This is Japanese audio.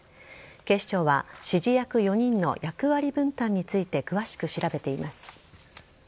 警視庁は指示役４人の役割分担について詳しく調べています。